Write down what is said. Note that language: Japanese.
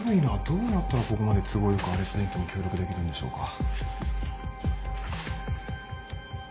どうやったらここまで都合良くアレス電機に協力できるんでしょうか。